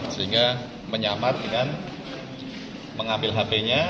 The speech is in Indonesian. sehingga menyamar dengan mengambil hp nya